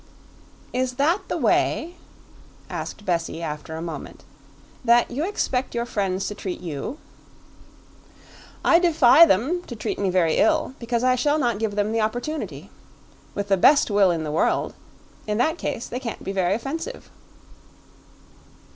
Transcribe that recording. "Is that the way," asked Bessie after a moment, "that you expect your friends to treat you?" "I defy them to treat me very ill, because I shall not give them the opportunity. With the best will in the world, in that case they can't be very offensive."